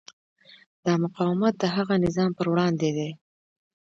دا مقاومت د هغه نظام پر وړاندې دی.